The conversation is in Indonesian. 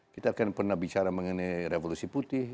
kita kan pernah bicara mengenai revolusi putih